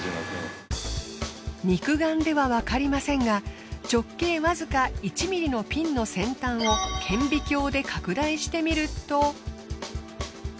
肉眼ではわかりませんが直径わずか１ｍｍのピンの先端を顕微鏡で拡大してみると。